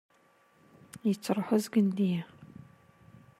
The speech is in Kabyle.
Yettruḥ uzgen deg-i.